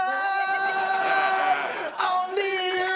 「」「オンリーユー」